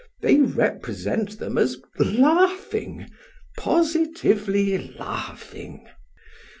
they represent them as laughing, positively laughing!